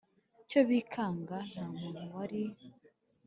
cyo bikanga Nta muntu wari